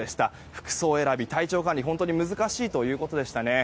服装選び体調管理が本当に難しいということでしたね。